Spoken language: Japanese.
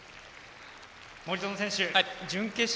森薗選手準決勝